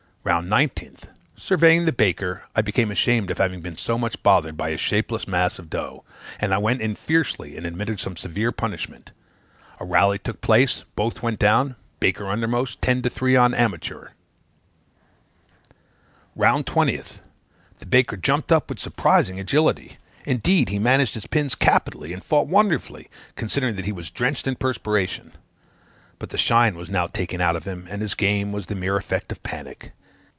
"Round 19th. Surveying the baker, I became ashamed of having been so much bothered by a shapeless mass of dough; and I went in fiercely, and administered some severe punishment. A rally took place both went down baker undermost ten to three on amateur. "Round 20th. The baker jumped up with surprising agility; indeed, he managed his pins capitally, and fought wonderfully, considering that he was drenched in perspiration; but the shine was now taken out of him, and his game was the mere effect of panic.